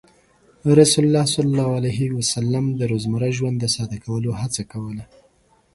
رسول الله صلى الله عليه وسلم د روزمره ژوند د ساده کولو هڅه کوله.